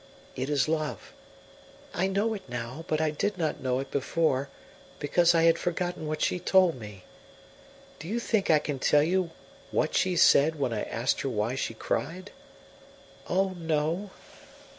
It is love; I know it now, but I did not know it before because I had forgotten what she told me. Do you think I can tell you what she said when I asked her why she cried? Oh no!